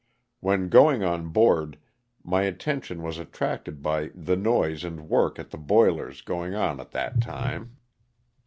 '' When going on board my atten tion was attracted by the noise and work at the boilers going on at that time.